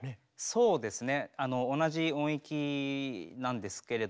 そうですね。